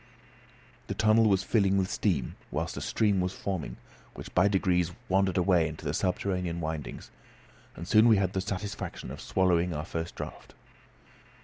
The tunnel was filling with steam, whilst a stream was forming, which by degrees wandered away into subterranean windings, and soon we had the satisfaction of swallowing our first draught.